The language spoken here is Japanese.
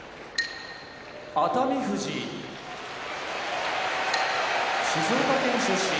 熱海富士静岡県出身